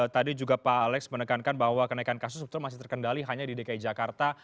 tadi juga pak alex menekankan bahwa kenaikan kasus masih terkendali hanya di dki jakarta